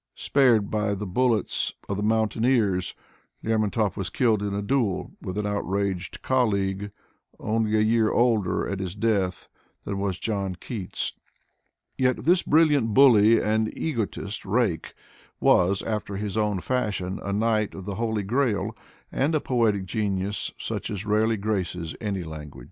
Spared by the bullets of the mountaineers, Lermontov was killed in a duel with an outraged colleague, only a year older at his death than was John Keats. Yet this brilliant bully and egotistic rake was, after his own fashion, a knight of the Holy Grail and a poetic genius such as rarely graces any language.